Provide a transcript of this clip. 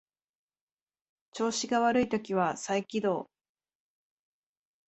調子が悪い時は再起動